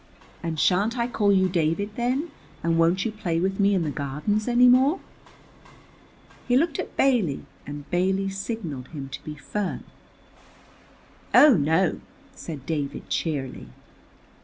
"And sha'n't I call you David then, and won't you play with me in the Gardens any more?" He looked at Bailey, and Bailey signalled him to be firm. "Oh, no," said David cheerily.